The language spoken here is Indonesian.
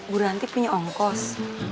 bu ranti punya ongkos